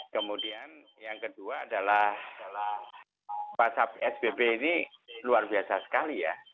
kemudian yang kedua adalah masa psbb ini luar biasa sekali ya